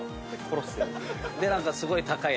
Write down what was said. で何かすごい高いやつ。